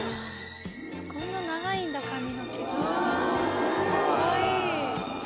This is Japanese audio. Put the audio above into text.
・こんな長いんだ髪の毛・かわいい。